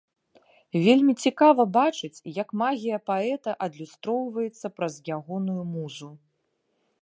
Вельмі цікава бачыць, як магія паэта адлюстроўваецца праз ягоную музу.